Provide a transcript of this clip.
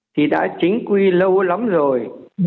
thì đã chính quy lâu lắm rồi